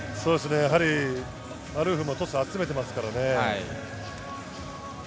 やはりマルーフ、トスを集めていますからね。